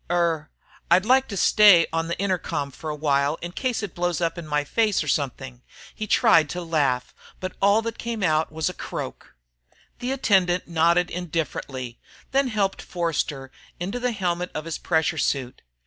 Er I'd like you to stay on the intercom for a while in case it blows up in my face or something." He tried to laugh, but all that came out was a croak. The attendant nodded indifferently, then helped Forster into the helmet of his pressure suit.